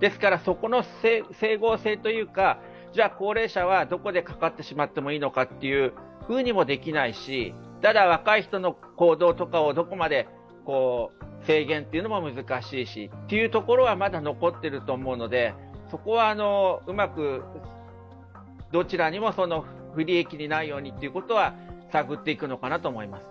ですから、そこの整合性というか、高齢者はどこでかかってしまってもいいのかというふうにもできないし、ただ若い人の行動とかをどこまで制限というのも難しいし。というところはまだ残っていると思うのでそこはうまくどちらにも不利益にならないようにということは探っていくのかなと思います。